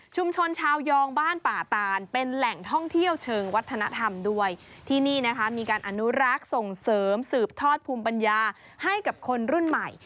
ชาวยองบ้านป่าตานเป็นแหล่งท่องเที่ยวเชิงวัฒนธรรมด้วยที่นี่นะคะมีการอนุรักษ์ส่งเสริมสืบทอดภูมิปัญญาให้กับคนรุ่นใหม่